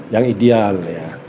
yang ideal ya